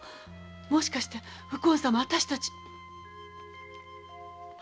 もしかして右近様は私たちの！